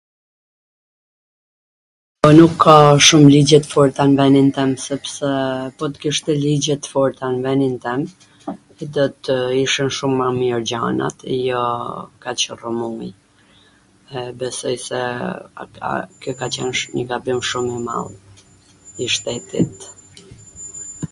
po nuk ka shum ligje t forta n venin tan sepse po t kishte ligje t forta n venin tan do tw ishin shum ma mir gjanat, jo kaq rrwmuj, e besoj se kjo ka qwn njw gabim shum i madh i shtetit